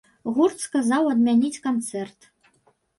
Гурт сказаў адмяніць канцэрт.